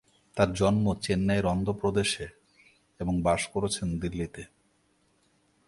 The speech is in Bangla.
তার জন্ম চেন্নাইয়ের অন্ধ্র প্রদেশে এবং বাস করছেন দিল্লিতে।